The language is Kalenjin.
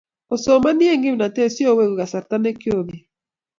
osomoni eng kimnatet si oweku kasarta nekiobeet